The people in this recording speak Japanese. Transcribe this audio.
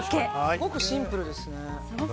すごくシンプルですね。